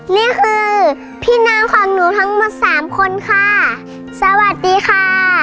นี่คือพี่น้องของหนูทั้งหมดสามคนค่ะสวัสดีค่ะ